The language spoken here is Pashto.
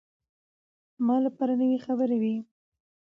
ما لپاره نوې خبرې وې.